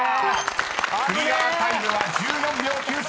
［クリアタイムは１４秒９３］